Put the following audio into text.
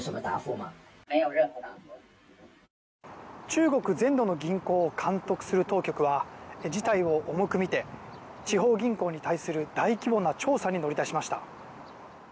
中国全土の銀行を監督する当局は事態を重く見て地方銀行に対する大規模な調査に乗り出しました。